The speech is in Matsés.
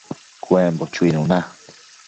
cuembo chuinuna